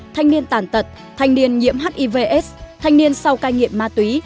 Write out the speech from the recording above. thanh niên tàn tật thanh niên nhiễm hivs thanh niên sau ca nghiệm ma túy